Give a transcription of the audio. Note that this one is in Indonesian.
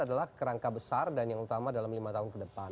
adalah kerangka besar dan yang utama dalam lima tahun ke depan